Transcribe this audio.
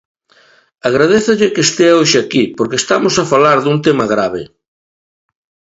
Agradézolle que estea hoxe aquí porque estamos a falar dun tema grave.